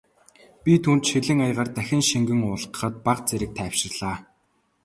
Би түүнд шилэн аягаар дахин шингэн уулгахад бага зэрэг тайвширлаа.